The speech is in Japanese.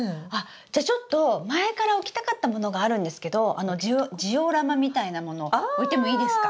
じゃちょっと前から置きたかったものがあるんですけどジオラマみたいなもの置いてもいいですか？